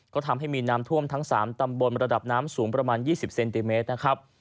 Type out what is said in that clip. ก็ทำให้มีน้ำท่วมทั้ง๓ตำบลระดับน้ำสูงประมาณ๒๐เซนติเมตรนะครับ